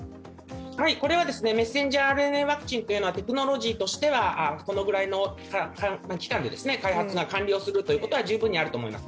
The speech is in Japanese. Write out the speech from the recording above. これはメッセンジャーＲＮＡワクチンというのは、テクノロジーとしてはこのぐらいの期間で開発が完了するということは十分にあると思います。